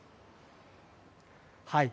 はい。